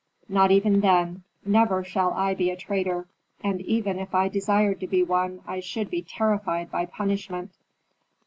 "Not even then. Never shall I be a traitor, and even if I desired to be one I should be terrified by punishment."